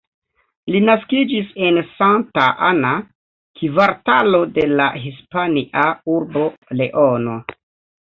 Li naskiĝis en Santa Ana, kvartalo de la Hispania urbo Leono.